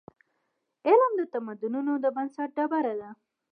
علم د تمدنونو د بنسټ ډبره ده.